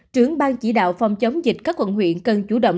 trưởng bang chỉ đạo phòng chống dịch các quận huyện cần chủ động